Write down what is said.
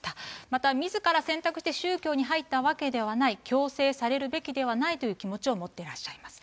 またみずから選択して宗教に入ったわけではない、強制されるべきではないという気持ちを持ってらっしゃいます。